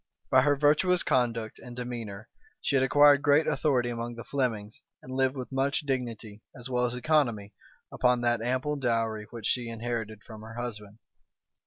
By her virtuous conduct and demeanor she had acquired great authority among the Flemings and lived with much dignity, as well as economy, upon that ample dowry which she inherited from her husband.